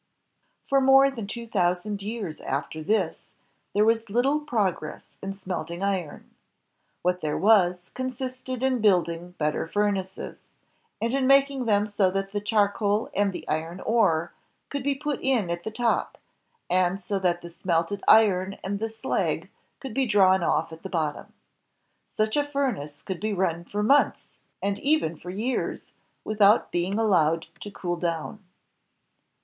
For more than two thousand years after this, there was little progress in smelting iron. What there was, con sisted in building better furnaces, and in making them so that the charcoal and the iron ore could be put in at the top, and so that the smelted iron and the slag could be drawn off at the bottom. Such a furnace could be run for months, and even for years, without being allowed to cool down.